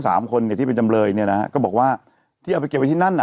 สามคนเนี่ยที่เป็นจำเลยเนี่ยนะฮะก็บอกว่าที่เอาไปเก็บไว้ที่นั่นอ่ะ